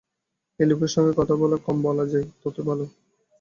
এই লোকের সঙ্গে কথা যত কম বলা যায়, ততই ভালো।